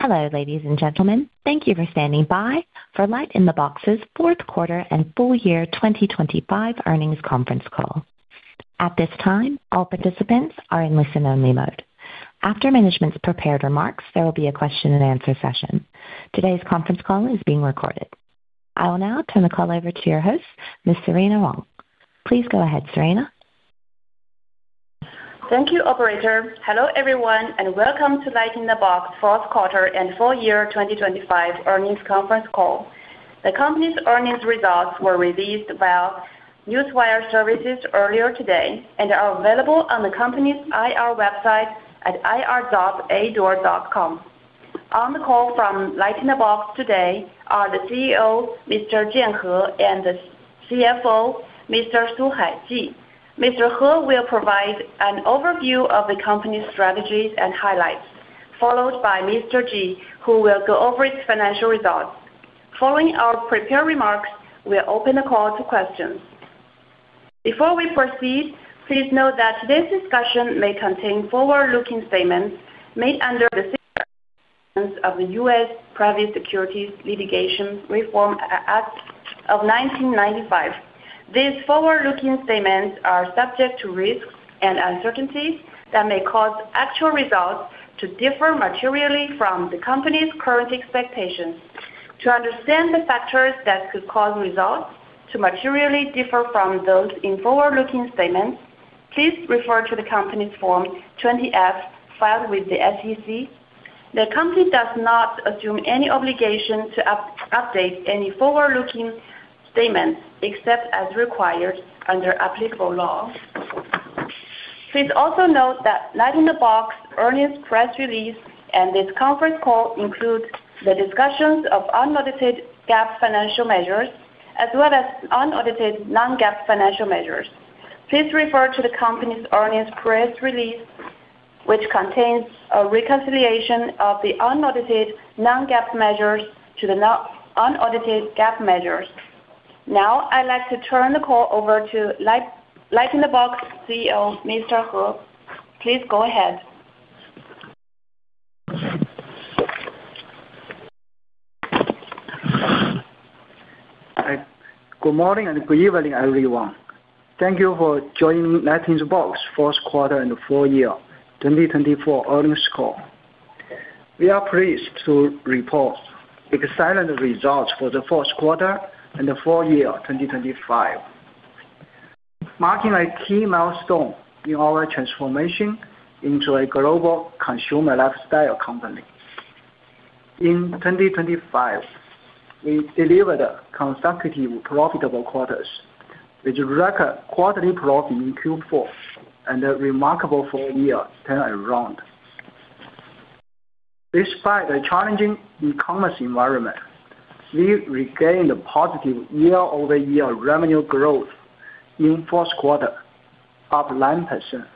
Hello, ladies and gentlemen. Thank you for standing by for LightInTheBox's Fourth Quarter and Full Year 2025 Earnings Conference Call. At this time, all participants are in listen-only mode. After management's prepared remarks, there will be a question and answer session. Today's conference call is being recorded. I will now turn the call over to your host, Ms. Serena Huang. Please go ahead, Serena. Thank you, operator. Hello, everyone, and welcome to LightInTheBox Fourth Quarter and Full Year 2025 Earnings Conference Call. The company's earnings results were released via Newswire Services earlier today and are available on the company's IR website at ir.ador.com. On the call from LightInTheBox today are the CEO, Mr. Jian He, and the CFO, Mr. Suhai Ji. Mr. He will provide an overview of the company's strategies and highlights, followed by Mr. Ji, who will go over its financial results. Following our prepared remarks, we'll open the call to questions. Before we proceed, please note that today's discussion may contain forward-looking statements made under the safe harbor provisions of the U.S. Private Securities Litigation Reform Act of 1995. These forward-looking statements are subject to risks and uncertainties that may cause actual results to differ materially from the company's current expectations. To understand the factors that could cause results to materially differ from those in forward-looking statements, please refer to the company's Form 20-F filed with the SEC. The company does not assume any obligation to update any forward-looking statements, except as required under applicable law. Please also note that LightInTheBox earnings press release and this conference call include the discussions of unaudited GAAP financial measures, as well as unaudited non-GAAP financial measures. Please refer to the company's earnings press release, which contains a reconciliation of the unaudited non-GAAP measures to the unaudited GAAP measures. Now, I'd like to turn the call over to LightInTheBox CEO, Mr. He. Please go ahead. Hi. Good morning and good evening, everyone. Thank you for joining LightInTheBox Fourth Quarter and Full Year 2024 Earnings Call. We are pleased to report excellent results for the fourth quarter and the full year 2025, marking a key milestone in our transformation into a global consumer lifestyle company. In 2025, we delivered consecutive profitable quarters with record quarterly profit in Q4 and a remarkable full year turnaround. Despite a challenging e-commerce environment, we regained a positive year-over-year revenue growth in fourth quarter of 9%,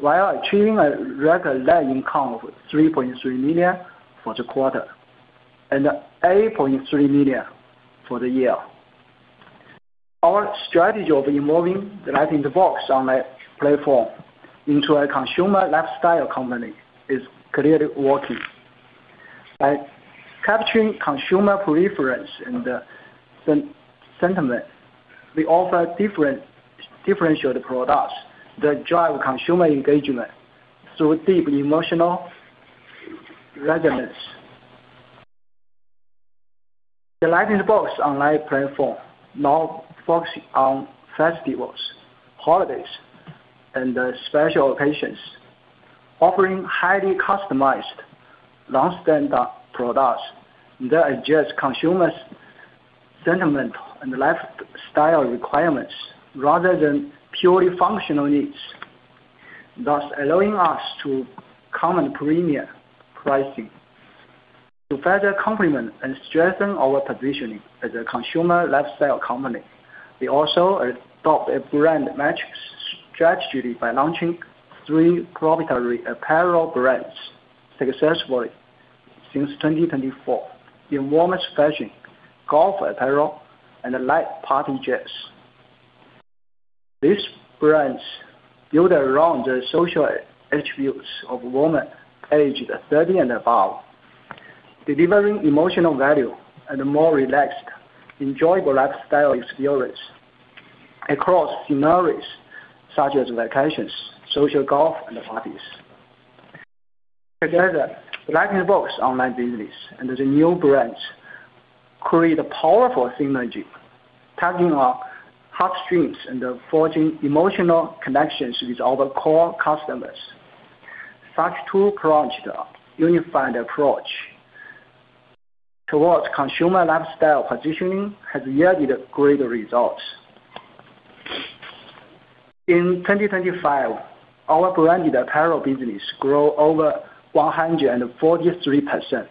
while achieving a record net income of $3.3 million for the quarter and $8.3 million for the year. Our strategy of evolving the LightInTheBox online platform into a consumer lifestyle company is clearly working. By capturing consumer preference and sentiment, we offer differentiated products that drive consumer engagement through deep emotional resonance. The LightInTheBox online platform now focus on festivals, holidays, and special occasions, offering highly customized long-standing products that address consumers' sentiment and lifestyle requirements rather than purely functional needs, thus allowing us to command premium pricing. To further complement and strengthen our positioning as a consumer lifestyle company, we also adopt a brand matrix strategy by launching three proprietary apparel brands successfully since 2024 in women's fashion, golf apparel and light party dress. These brands build around the social attributes of women aged 30 and above, delivering emotional value and a more relaxed, enjoyable lifestyle experience across scenarios such as vacations, social golf, and parties. Together, LightInTheBox online business and the new brands create a powerful synergy, tapping on hot streams and forging emotional connections with our core customers. Such two-pronged unified approach towards consumer lifestyle positioning has yielded great results. In 2025, our branded apparel business grew over 143%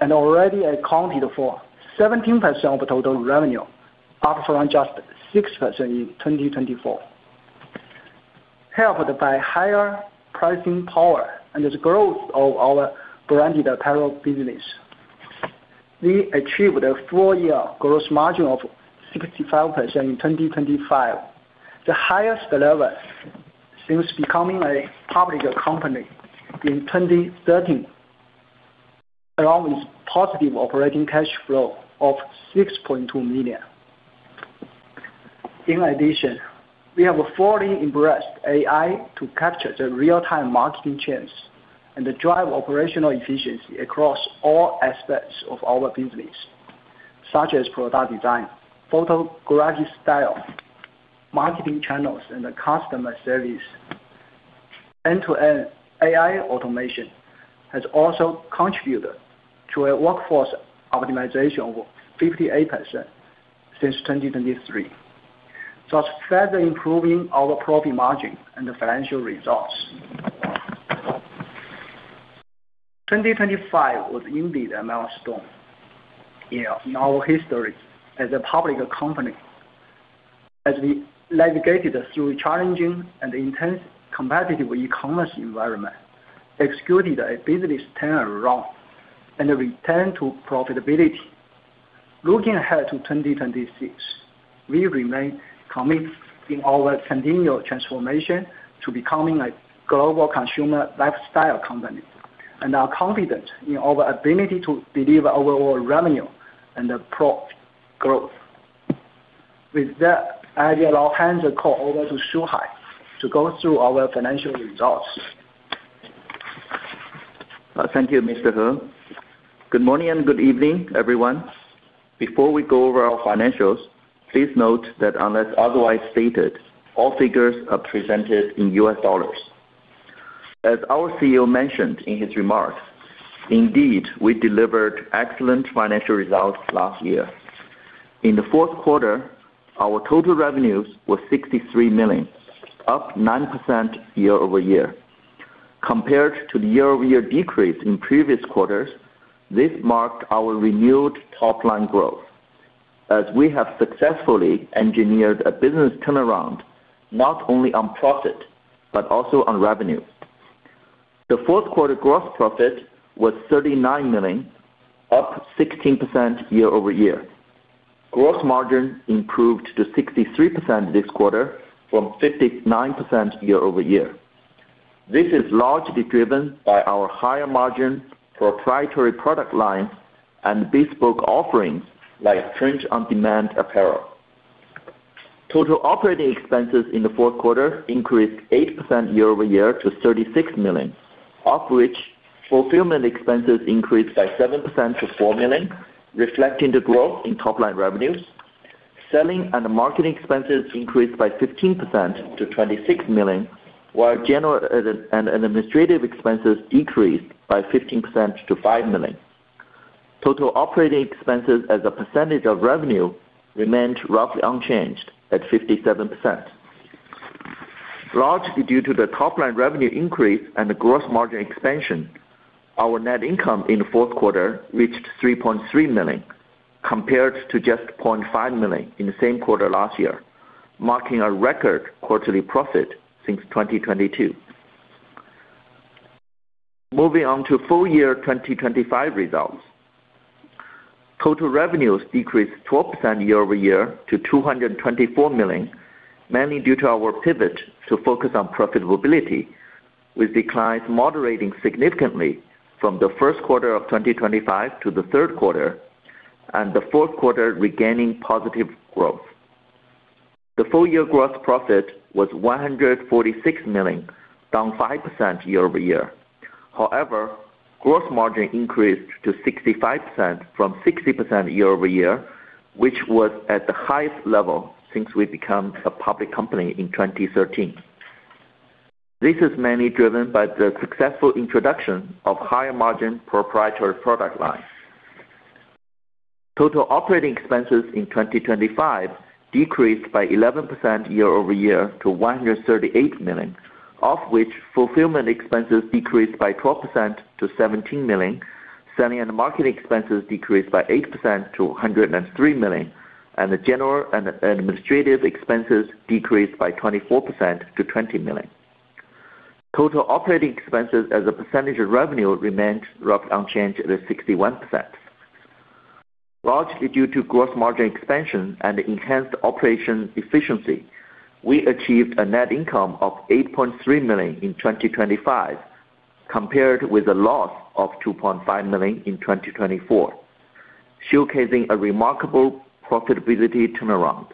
and already accounted for 17% of total revenue, up from just 6% in 2024. Helped by higher pricing power and the growth of our branded apparel business, we achieved a full-year gross margin of 65% in 2025, the highest level since becoming a public company in 2013, along with positive operating cash flow of $6.2 million. In addition, we have fully embraced AI to capture the real-time marketing trends and to drive operational efficiency across all aspects of our business, such as product design, photographic style, marketing channels and customer service. End-to-end AI automation has also contributed to a workforce optimization of 58% since 2023, thus further improving our profit margin and the financial results. 2025 was indeed a milestone in our history as a public company as we navigated through a challenging and intense competitive e-commerce environment, executed a business turnaround and a return to profitability. Looking ahead to 2026, we remain committed in our continual transformation to becoming a global consumer lifestyle company. We are confident in our ability to deliver overall revenue and profit growth. With that, I will now hand the call over to Suhai Ji to go through our financial results. Thank you, Mr. He. Good morning and good evening, everyone. Before we go over our financials, please note that unless otherwise stated, all figures are presented in U.S. dollars. As our CEO mentioned in his remarks, indeed, we delivered excellent financial results last year. In the fourth quarter, our total revenues were $63 million, up 9% year-over-year. Compared to the year-over-year decrease in previous quarters, this marked our renewed top line growth as we have successfully engineered a business turnaround not only on profit but also on revenue. The fourth quarter gross profit was $39 million, up 16% year-over-year. Gross margin improved to 63% this quarter from 59% year-over-year. This is largely driven by our higher margin proprietary product lines and bespoke offerings like print-on-demand apparel. Total operating expenses in the fourth quarter increased 8% year-over-year to $36 million, of which fulfillment expenses increased by 7% to $4 million, reflecting the growth in top line revenues. Selling and marketing expenses increased by 15% to $26 million, while general and administrative expenses decreased by 15% to $5 million. Total operating expenses as a percentage of revenue remained roughly unchanged at 57%. Largely due to the top line revenue increase and the gross margin expansion, our net income in the fourth quarter reached $3.3 million, compared to just $0.5 million in the same quarter last year, marking a record quarterly profit since 2022. Moving on to full year 2025 results. Total revenues decreased 12% year-over-year to $224 million, mainly due to our pivot to focus on profitability, with declines moderating significantly from the first quarter of 2025 to the third quarter and the fourth quarter regaining positive growth. The full year gross profit was $146 million, down 5% year-over-year. However, gross margin increased to 65% from 60% year-over-year, which was at the highest level since we become a public company in 2013. This is mainly driven by the successful introduction of higher margin proprietary product lines. Total operating expenses in 2025 decreased by 11% year-over-year to $138 million, of which fulfillment expenses decreased by 12% to $17 million. Selling and marketing expenses decreased by 8% to $103 million. General and administrative expenses decreased by 24% to $20 million. Total operating expenses as a percentage of revenue remained roughly unchanged at 61%. Largely due to gross margin expansion and enhanced operational efficiency, we achieved a net income of $8.3 million in 2025, compared with a loss of $2.5 million in 2024, showcasing a remarkable profitability turnaround.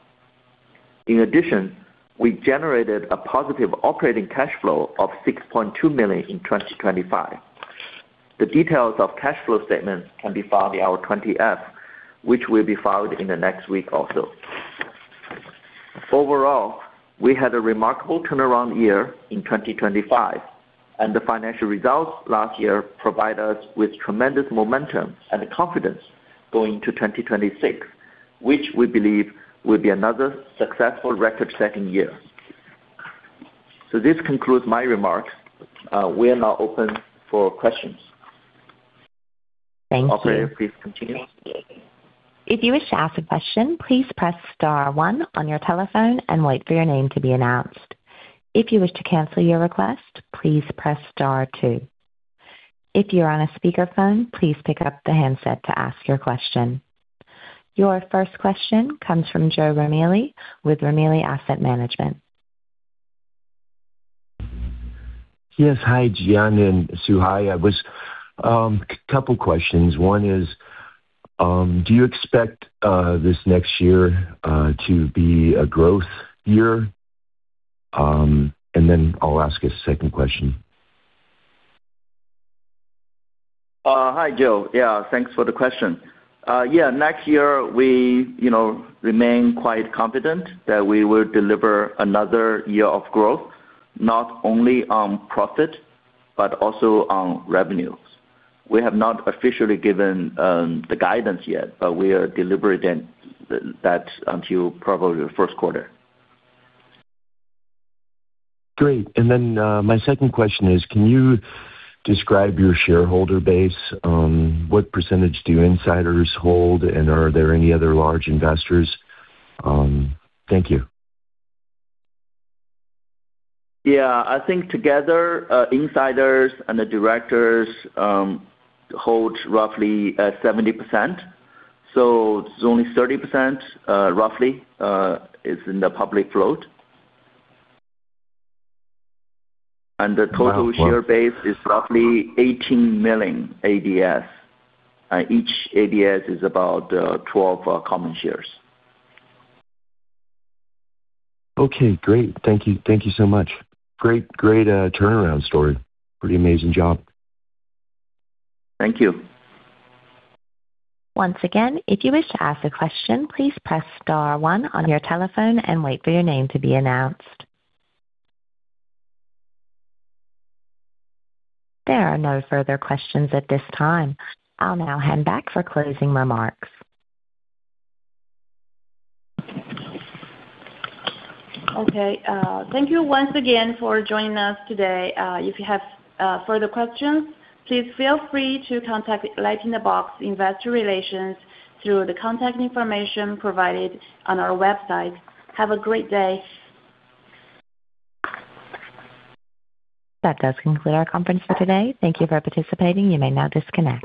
In addition, we generated a positive operating cash flow of $6.2 million in 2025. The details of cash flow statement can be found in our Form 20-F, which will be filed in the next week also. Overall, we had a remarkable turnaround year in 2025, and the financial results last year provide us with tremendous momentum and confidence going to 2026, which we believe will be another successful record-setting year. This concludes my remarks. We are now open for questions. Thank you. Operator, please continue. If you wish to ask a question, please press star one on your telephone and wait for your name to be announced. If you wish to cancel your request, please press star two. If you are on a speakerphone, please pick up the handset to ask your question. Your first question comes from Joe Ramelli with Ramelli Asset Management. Yes. Hi, Jian and Suhai. I have a couple questions. One is, do you expect this next year to be a growth year? I'll ask a second question. Hi, Joe. Yeah, thanks for the question. Yeah, next year, we, you know, remain quite confident that we will deliver another year of growth, not only on profit, but also on revenues. We have not officially given the guidance yet, but we are delivering that until probably the first quarter. Great. My second question is, can you describe your shareholder base? What percentage do insiders hold, and are there any other large investors? Thank you. Yeah. I think together, insiders and the directors, hold roughly 70%, so it's only 30%, roughly, is in the public float. The total share base is roughly 18 million ADS. Each ADS is about 12 common shares. Okay, great. Thank you. Thank you so much. Great, turnaround story. Pretty amazing job. Thank you. Once again, if you wish to ask a question, please press star one on your telephone and wait for your name to be announced. There are no further questions at this time. I'll now hand back for closing remarks. Okay. Thank you once again for joining us today. If you have further questions, please feel free to contact LightInTheBox Investor Relations through the contact information provided on our website. Have a great day. That does conclude our conference for today. Thank you for participating. You may now disconnect.